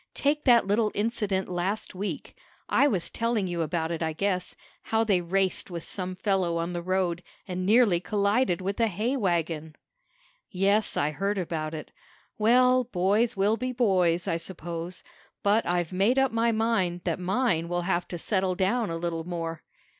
"Take that little incident last week I was telling you about it, I guess how they raced with some fellow on the road, and nearly collided with a hay wagon." "Yes, I heard about it. Well, boys will be boys, I suppose, but I've made up my mind that mine will have to settle down a little more."